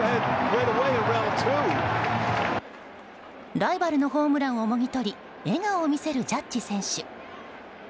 ライバルのホームランをもぎとり笑顔を見せるジャッジ選手。